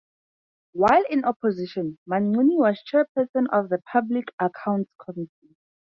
While in opposition Mancini was chairman of the Public Accounts Committee.